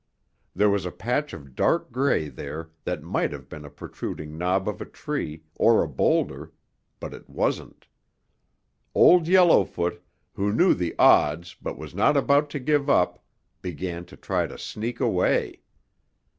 There was a patch of dark gray there that might have been a protruding knob of a tree or a boulder, but it wasn't. Old Yellowfoot, who knew the odds but was not about to give up, began to try to sneak away.